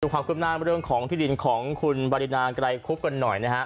ดูความคุ้มหน้าเรื่องของพิธีฐินของคุณบรินาค์ไกลครุฟกันหน่อยนะฮะ